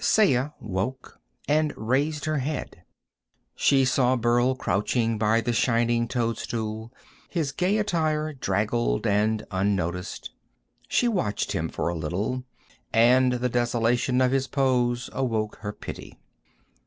Saya woke and raised her head. She saw Burl crouching by the shining toadstool, his gay attire draggled and unnoticed. She watched him for a little, and the desolation of his pose awoke her pity.